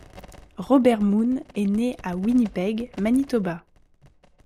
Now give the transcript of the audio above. Robert Munn est né à Winnipeg, Manitoba.